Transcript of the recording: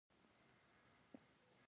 دا زما خوښ شو